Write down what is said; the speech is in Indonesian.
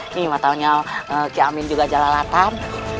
ini mata mata ki amin juga jala jala tan